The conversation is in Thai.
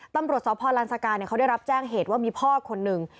ตำรวจสพลันสกาเขาได้รับแจ้งเหตุว่ามีพ่อคนหนึ่ง